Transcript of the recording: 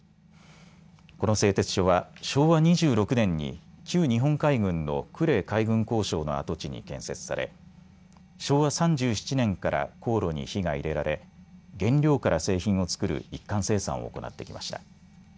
この製鉄所は昭和２６年に旧日本海軍の呉海軍工廠の跡地に建設され昭和３７年から高炉に火が入れられ原料から製品を作る一貫生産を行ってきました。